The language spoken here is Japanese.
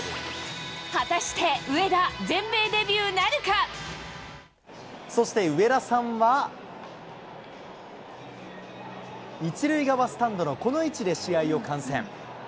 果たして上田、全米デビューそして上田さんは、１塁側スタンドのこの位置で試合を観戦。